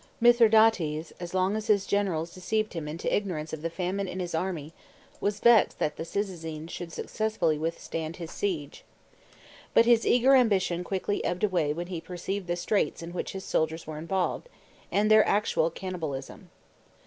XI. Mithridates,; as long as his generals deceived him into ignorance of the famine in his army, was vexed that the Cyzicenes should successfully with stand his siege. But his eager ambition quickly ebbed away when he perceived the straits in which his soldiers were involved, and their actual canni balism.